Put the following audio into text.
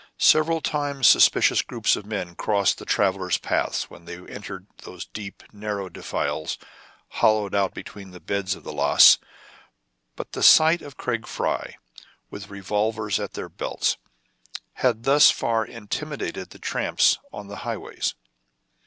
Several 1 Léon Rousset 128 TRIBULATIONS OF A CHINAMAN, times suspicious groups of men crossed the trav ellers* path when they entered those deep, narrow defiles, hollowed out between the beds of the lœss ; but the sight of Craig Fry with revolvers at their belts had thus far intimidated the tramps on the highways.